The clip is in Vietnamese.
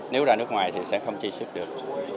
nếu ra nước ngoài thì sẽ không chi xuất được